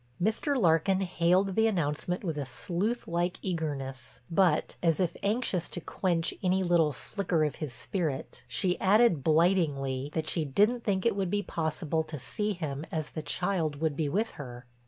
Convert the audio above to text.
Mr. Larkin hailed the announcement with a sleuth like eagerness, but, as if anxious to quench any little flicker of his spirit, she added blightingly that she didn't think it would be possible to see him as the child would be with her.